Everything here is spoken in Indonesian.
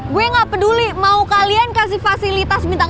gue gak peduli mau kalian kasih fasilitas bintang